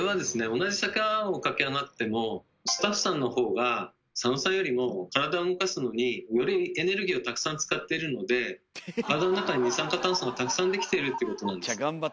同じ坂を駆け上がってもスタッフさんのほうが佐野さんよりも体を動かすのによりエネルギーをたくさん使っているので体の中に二酸化炭素がたくさんできているということなんです。